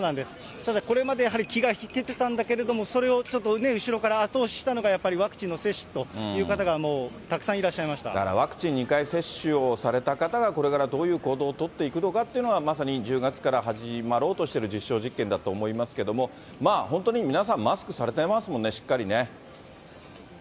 ただ、これまでやはり気が引けてたんだけれども、それをちょっとね、後ろから後押ししたのがやっぱりワクチンの接種という方が、だから、ワクチン接種を２回された方が、これからどういう行動を取っていくのかというのが、まさに１０月から始まろうとしている実証実験だと思いますけれども、本当に皆さん、マスクされてますもんね、しっかりね。